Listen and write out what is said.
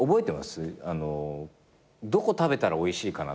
「どこ食べたらおいしいかな」